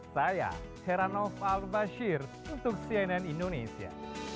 saya heranov al bashir untuk cnn indonesia